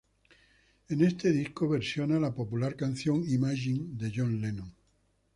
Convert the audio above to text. En este disco versiona la popular canción "Imagine" de John Lennon.